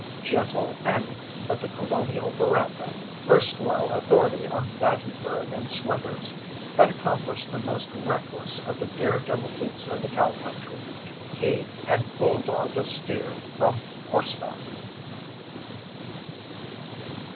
"Gentle Annie" of The Colonial veranda, erstwhile authority on Battenburg and sweaters, had accomplished the most reckless of the dare devil feats of the cow country he had "bull dogged" a steer from horseback!